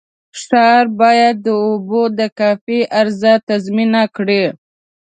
ښار باید د اوبو د کافي عرضه تضمین کړي.